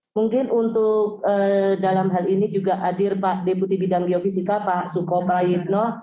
mungkin untuk dalam hal ini juga hadir pak deputi bidang geofisika pak suko prayitno